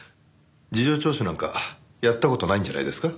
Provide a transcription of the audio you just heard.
事情聴取なんかやった事ないんじゃないですか？